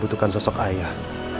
bukan sosok ayah